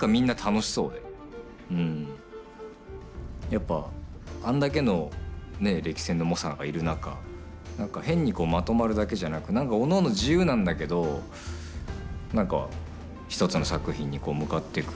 やっぱあんだけの歴戦の猛者がいる中何か変にまとまるだけじゃなく何かおのおの自由なんだけど何か一つの作品に向かっていく。